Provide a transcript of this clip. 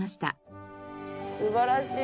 素晴らしい。